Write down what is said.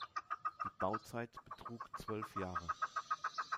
Die Bauzeit betrug zwölf Jahre.